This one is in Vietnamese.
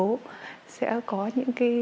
sẽ có rất nhiều các món quà yêu thương từ các mẹ